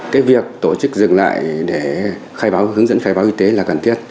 cái việc tổ chức dừng lại để hướng dẫn khai báo y tế là cần thiết